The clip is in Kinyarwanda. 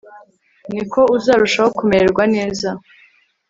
ni ko uzarushaho kumererwa neza